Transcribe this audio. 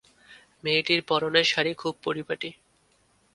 মেয়েটির পরনের শাড়ি খুব পরিপাটি।